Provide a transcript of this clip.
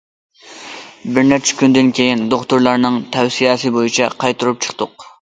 بىر نەچچە كۈندىن كىيىن دوختۇرلارنىڭ تەۋسىيەسى بويىچە قايتۇرۇپ چىقتۇق.